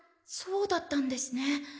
そうだったんですね。